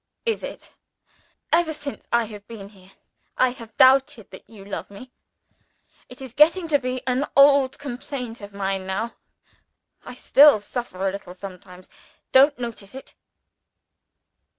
"Is it? Ever since I have been here, I have doubted that you love me. It is getting to be an old complaint of mine now. I still suffer a little sometimes. Don't notice it!"